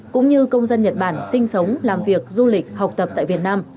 cũng như công dân nhật bản sinh sống làm việc du lịch học tập tại việt nam